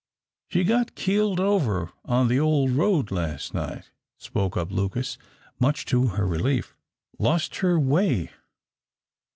"She got keeled over on the old road last night," spoke up Lucas, much to her relief. "Lost her way.